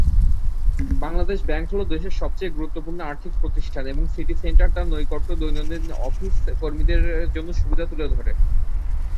Bangladesh bank হল দেশের সবচেয়ে গুরুত্বপূর্ণ আর্থিক প্রতিষ্ঠান এবং সিটি সেন্টার তার নৈকট্য দৈনন্দিন অফিস কর্মীদের জন্য সুবিধা তুলে ধরে।